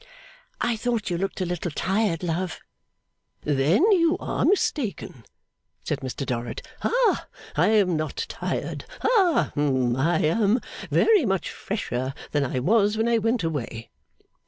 'I thought you looked a little tired, love.' 'Then you are mistaken,' said Mr Dorrit. 'Ha, I am not tired. Ha, hum. I am very much fresher than I was when I went away.